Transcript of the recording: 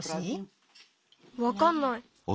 わかんない。